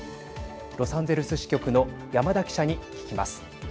ロサンゼルス支局の山田記者に聞きます。